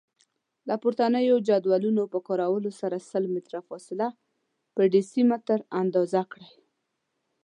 له پورتنیو جدولونو په کارولو سره سل متره فاصله په ډیسي متره اندازه کړئ.